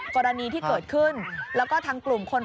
กรณีที่เกิดขึ้น